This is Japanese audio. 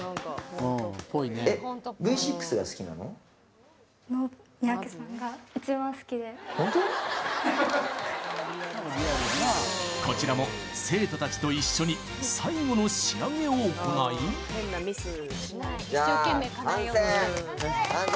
えっこちらも生徒たちと一緒に最後の仕上げを行いじゃあ完成！